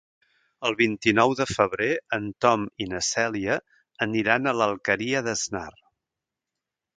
El vint-i-nou de febrer en Tom i na Cèlia aniran a l'Alqueria d'Asnar.